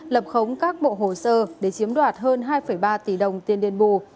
lập khống các bộ hồ sơ để chiếm đoạt hơn hai ba tỷ đồng tiền đền bù